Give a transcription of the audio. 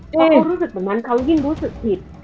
เขารู้สึกแบบนั้นเขายิ่งรู้สึกผิด